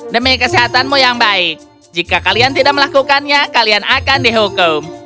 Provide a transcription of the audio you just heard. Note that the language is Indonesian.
demi kesehatanmu yang baik jika kalian tidak melakukannya kalian akan dihukum